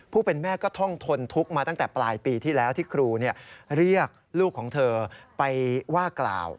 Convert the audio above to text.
เป็นแม่ก็ท่องทนทุกข์มาตั้งแต่ปลายปีที่แล้วที่ครูเรียกลูกของเธอไปว่ากล่าว